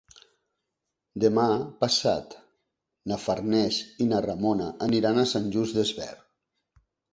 Demà passat na Farners i na Ramona aniran a Sant Just Desvern.